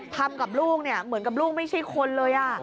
ทำกับลูกเนี่ยเหมือนกับลูกไม่ใช่คนเลย